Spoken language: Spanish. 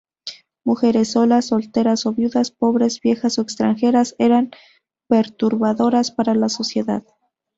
Mujeres solas, solteras o viudas, pobres, viejas o extranjeras eran perturbadoras para la sociedad.